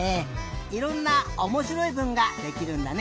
いろんなおもしろいぶんができるんだね。